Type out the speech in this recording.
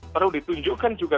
perlu ditunjukkan juga